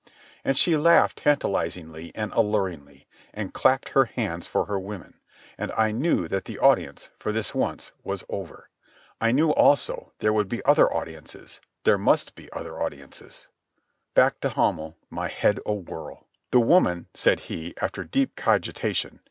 And she laughed tantalizingly and alluringly, and clapped her hands for her women, and I knew that the audience, for this once, was over. I knew, also, there would be other audiences, there must be other audiences. Back to Hamel, my head awhirl. "The woman," said he, after deep cogitation.